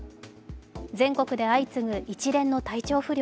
全国で相次ぐ一連の体調不良。